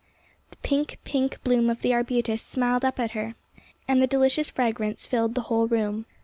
'' The pink, pink bloom of the arbutus smiled up at her, and the delicious fragrance filled the whole room.